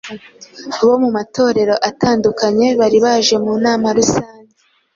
bo mu matorero atandukanye bari baje mu nama rusange.